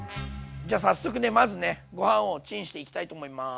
じゃ早速ねまずねご飯をチンしていきたいと思います。